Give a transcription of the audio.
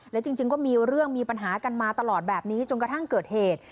และจริงก็มีเรื่องมีปัญหากันมาตลอดแบบนี้จนกระทั่งเกิดเหตุ